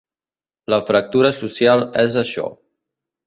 La fractura social és això.